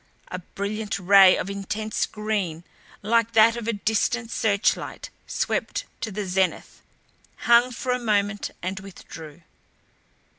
A brilliant ray of intense green like that of a distant searchlight swept to the zenith, hung for a moment and withdrew.